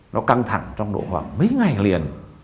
nó căng thẳng trong độ khoảng mấy ngày liền